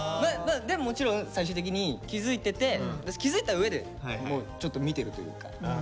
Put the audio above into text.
でももちろん最終的に気付いてて気付いたうえでもうちょっと見てるというか。